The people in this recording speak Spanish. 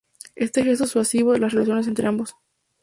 Este gesto suavizó las relaciones entre ambos.